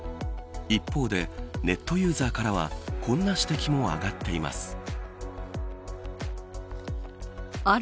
一方でネットユーザーからはこんな指摘も上がっています。